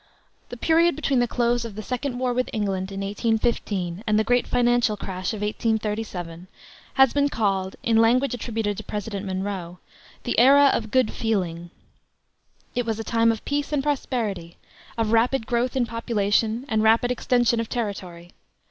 The period between the close of the second war with England, in 1815, and the great financial crash of 1837, has been called, in language attributed to President Monroe, "the era of good feeling." It was a time of peace and prosperity, of rapid growth in population and rapid extension of territory.